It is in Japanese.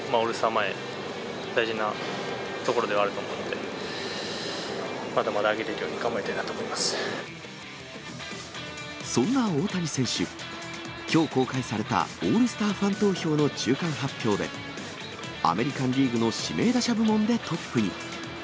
前、大事なところではあると思うので、まだまだ上げていけるように頑張そんな大谷選手、きょう公開されたオールスターファン投票の中間発表で、アメリカンリーグの指名打者部門でトップに。